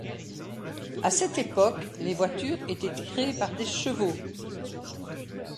À cette époque, les voitures étaient tirés par des chevaux.